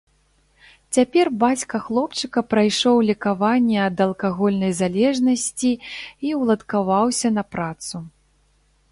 Цяпер бацька хлопчыка прайшоў лекаванне ад алкагольнай залежнасці і ўладкаваўся на працу.